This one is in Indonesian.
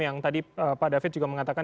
yang tadi pak david juga mengatakan